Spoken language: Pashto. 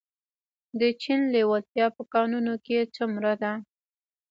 د چین لیوالتیا په کانونو کې څومره ده؟